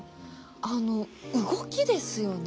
あの動きですよね